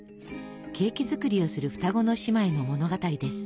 ケーキ作りをする双子の姉妹の物語です。